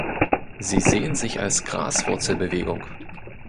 Sie sehen sich als Graswurzelbewegung.